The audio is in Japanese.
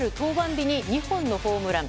日に２本のホームラン。